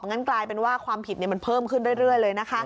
งั้นกลายเป็นว่าความผิดมันเพิ่มขึ้นเรื่อยเลยนะคะ